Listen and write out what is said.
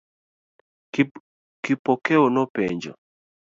Kipokeo nopenjo.